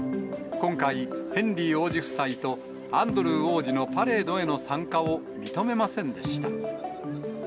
今回、ヘンリー王子夫妻とアンドルー王子のパレードへの参加を認めませんでした。